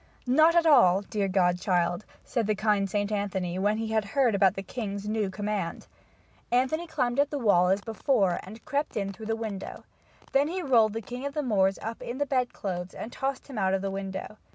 "Not at all, dear godchild," said the kind St. Anthony when he had heard about the king's new command. Anthony climbed quietly up the wall as before and crept in through the window. Then he rolled the king of the Moors up in the bedclothes and tossed him out of the window.